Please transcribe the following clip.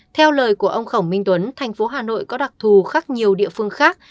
theo lời của ông khổng minh tuấn thành phố hà nội có đặc thù khác nhiều địa phương khác